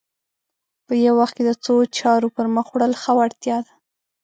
په یوه وخت کې د څو چارو پر مخ وړل ښه وړتیا ده